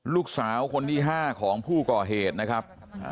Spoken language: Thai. ลูกสาวคนที่๕ของผู้ก่อเหตุนะครับ